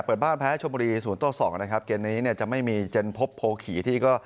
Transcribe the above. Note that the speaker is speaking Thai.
เปิดบ้านแพ้ชมบุรีศูนย์ต่อสองนะครับเกมนี้เนี่ยจะไม่มีเจนพบโพขี่ที่ก็